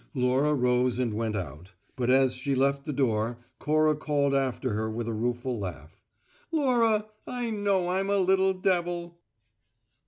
Laura rose and went out; but as she left the door, Cora called after her with a rueful laugh: "Laura, I know I'm a little devil!"